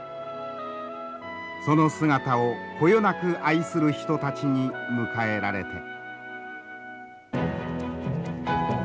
その姿をこよなく愛する人たちに迎えられて。